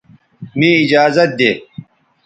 مے ایجازت دے